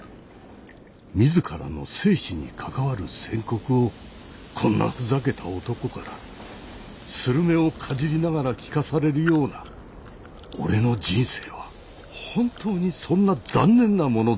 自らの生死に関わる宣告をこんなふざけた男からスルメをかじりながら聞かされるような俺の人生は本当にそんな残念なものだったのだろうか。